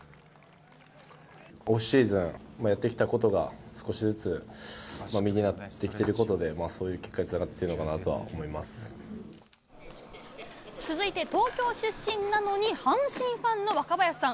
オフシーズンやってきたことが、少しずつ実になってきてることで、そういう結果につながってるのか続いて東京出身なのに、阪神ファンの若林さん。